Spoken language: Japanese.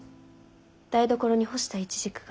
台所に干したイチジクが。